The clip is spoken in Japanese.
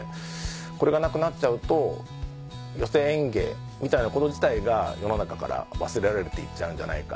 これがなくなっちゃうと寄席演芸みたいなこと自体が世の中から忘れられていっちゃうんじゃないか。